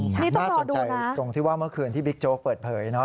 นี่ต้องรอดูนะน่าสนใจตรงที่ว่าเมื่อคืนที่บิ๊กโจ๊กเปิดเผยเนอะ